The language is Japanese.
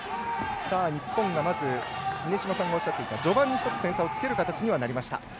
日本がまず峰島さんがおっしゃっていた序盤に１つ点差をつける形にはなりました。